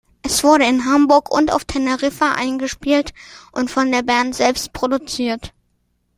Es wurde in Hamburg und auf Teneriffa eingespielt und von der Band selbst produziert.